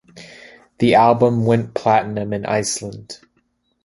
The album went platinum in Iceland.